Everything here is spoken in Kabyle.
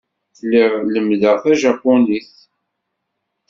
Lliɣ lemmdeɣ Tajaponit.